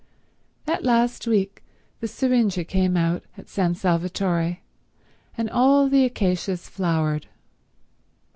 That last week the syringa came out at San Salvatore, and all the acacias flowered.